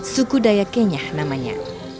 suku daya kenya namanya